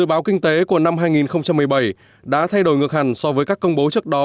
dự báo kinh tế của năm hai nghìn một mươi bảy đã thay đổi ngược hẳn so với các công bố trước đó